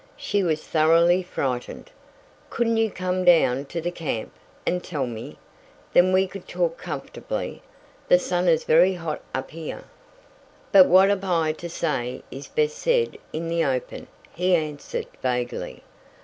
She was thoroughly frightened. "Couldn't you come down to the camp, and tell me? Then we could talk comfortably. The sun is very hot up here." "But what I have to say is best said in the open," he answered vaguely.